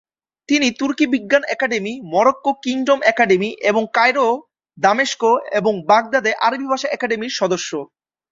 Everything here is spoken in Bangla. তিনি তুর্কি বিজ্ঞান একাডেমি, মরক্কো কিংডম একাডেমি এবং কায়রো, দামেস্ক এবং বাগদাদে আরবি ভাষা একাডেমির সদস্য।